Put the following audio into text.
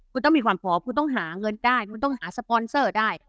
คุณต้องมีความพร้อมคุณต้องหาเงินได้คุณต้องหาสปอนเซอร์ได้